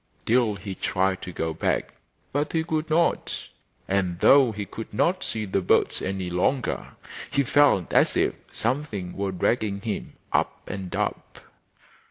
Sill he tried to go back, but he could not, and though he could not see the birds any longer he felt as if something were dragging him up and up.